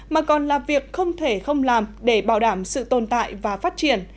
mà còn là việc không thể không làm để bảo đảm sự tồn tại và phát triển